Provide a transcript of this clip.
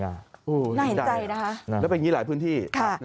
น่าเห็นใจนะครับนะครับค่ะแล้วเป็นอย่างนี้หลายพื้นที่